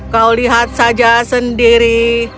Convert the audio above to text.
kau lihat saja sendiri